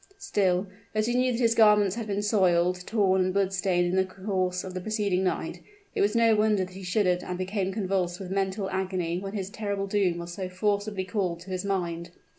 Still, as he knew that his garments had been soiled, torn and blood stained in the course of the preceding night, it was no wonder that he shuddered and became convulsed with mental agony when his terrible doom was so forcibly called to his mind.